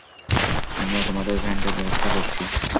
আমরা তোমাদের ভ্যানটার ব্যবস্থা করছি।